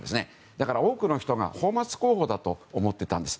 だから、多くの人が泡沫候補だと思ってたんです。